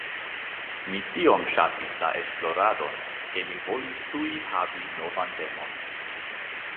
Mi tiom ŝatis la esploradon, ke mi volis tuj havi novan temon.